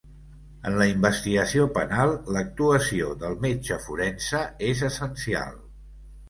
En la investigació penal l'actuació del metge forense és essencial.